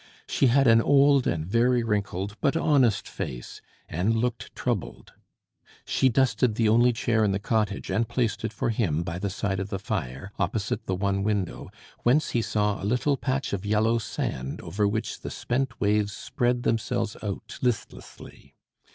She had an old and very wrinkled, but honest face, and looked troubled. She dusted the only chair in the cottage, and placed it for him by the side of the fire, opposite the one window, whence he saw a little patch of yellow sand over which the spent waves spread themselves out listlessly.